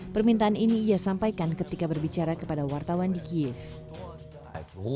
permintaan ini ia sampaikan ketika berbicara kepada wartawan di kiev